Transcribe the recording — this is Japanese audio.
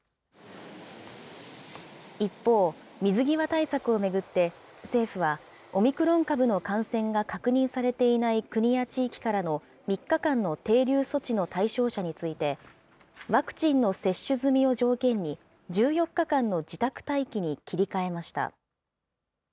一方、水際対策を巡って、政府は、オミクロン株の感染が確認されていない国や地域からの３日間の停留措置の対象者について、ワクチンの接種済みを条件に、１４日間の自宅待機に切り替えました。